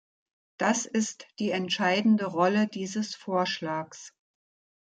Das ist die entscheidende Rolle dieses Vorschlags.